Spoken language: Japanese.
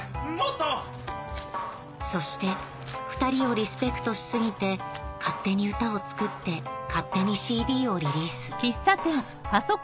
そしてふたりをリスペクトし過ぎて勝手に歌を作って勝手にＣＤをリリース